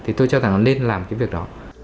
thì tôi cho rằng nó nên làm cái việc đó